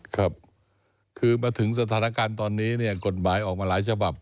ครับคือมาถึงสถานการณ์ตอนนี้เนี่ยกฎหมายออกมาหลายฉบับ